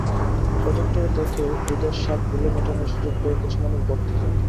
প্রজেক্টরে দেখে দুধের স্বাদ ঘোলে মেটানোর সুযোগ পেয়ে কিছু মানুষ বর্তে যায়।